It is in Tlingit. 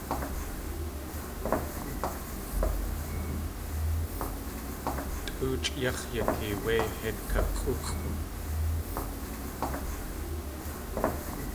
Tʼoochʼ yáx̲ yatee wé hít kaxʼúxʼu.